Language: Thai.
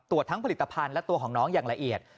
ตรวจทั้งผลิตภัณฑ์และตัวของน้องอย่างละเอียด